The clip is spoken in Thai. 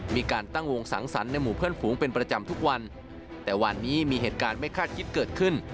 มีการตั้งวงสังสรรค์ในหมู่เพื่อนฝูงเป็นประจำทุกวันแต่วันนี้มีเหตุการณ์ไม่คาดคิดเกิดขึ้น